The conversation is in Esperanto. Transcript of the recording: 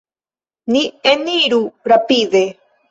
Ni eniru rapide!